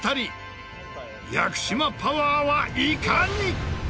屋久島パワーはいかに？